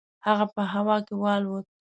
هغه په هوا کې والوت.